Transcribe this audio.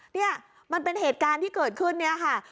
เนี่ยมันเป็นเหตุการณ์ที่เกิดขึ้นเนี่ยค่ะ